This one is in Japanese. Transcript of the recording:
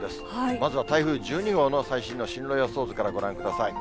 まずは台風１２号の最新の進路予想図からご覧ください。